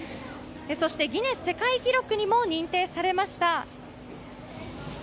そしてギネス世界記録にも認定されました。